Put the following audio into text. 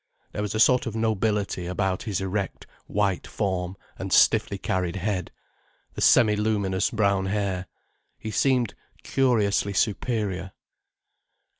There was a sort of nobility about his erect white form and stiffly carried head, the semi luminous brown hair. He seemed curiously superior.